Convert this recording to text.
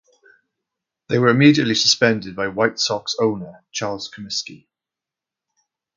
They were immediately suspended by White Sox owner Charles Comiskey.